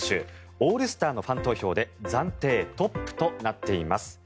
オールスターのファン投票で暫定トップとなっています。